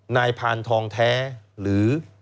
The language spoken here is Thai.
นายพานทองแท้หรือ